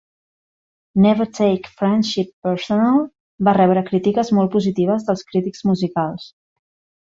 "Never Take Friendship Personal" va rebre crítiques molt positives dels crítics musicals.